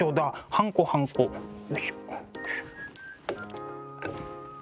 はんこはんこよいしょ。